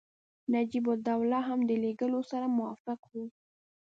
نجیب الدوله هم د لېږلو سره موافق وو.